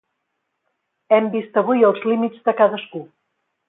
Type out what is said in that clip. Hem vist avui els límits de cadascú.